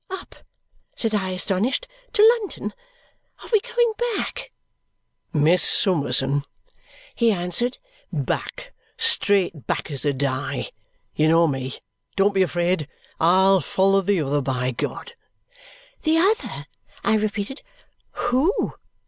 "Up?" said I, astonished. "To London! Are we going back?" "Miss Summerson," he answered, "back. Straight back as a die. You know me. Don't be afraid. I'll follow the other, by G " "The other?" I repeated. "Who?"